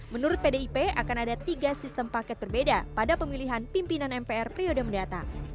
menurut pdip akan ada tiga sistem paket berbeda pada pemilihan pimpinan mpr periode mendatang